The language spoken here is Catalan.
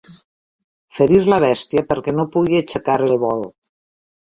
Ferir la bèstia perquè no pugui aixecar el vol.